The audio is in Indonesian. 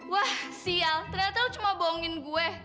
wah sial ternyata aku cuma bohongin gue